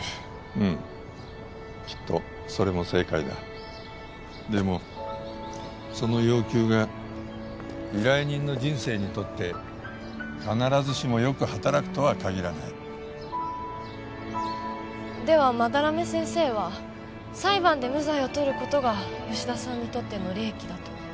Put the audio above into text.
うんきっとそれも正解だでもその要求が依頼人の人生にとって必ずしもよく働くとはかぎらないでは斑目先生は裁判で無罪をとることが吉田さんにとっての利益だと？